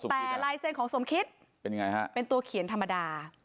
แต่ลายเซ็นต์ของสมคิดเป็นตัวเขียนธรรมดา